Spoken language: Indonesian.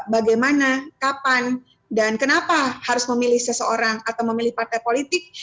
bagaimana kapan dan kenapa harus memilih seseorang atau memilih partai politik